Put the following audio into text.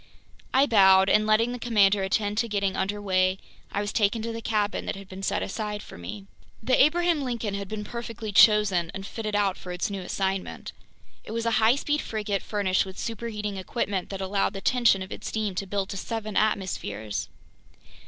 I bowed, and letting the commander attend to getting under way, I was taken to the cabin that had been set aside for me. The Abraham Lincoln had been perfectly chosen and fitted out for its new assignment. It was a high speed frigate furnished with superheating equipment that allowed the tension of its steam to build to seven atmospheres.